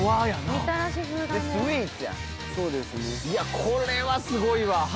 いやこれはすごいわ。